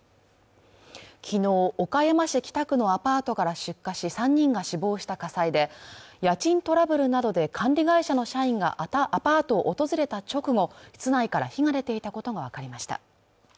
昨日、岡山市北区のアパートから出火し３人が死亡した火災で家賃トラブルなどで管理会社の社員がアパートを訪れた直後室内から火が出ていたことが分かりました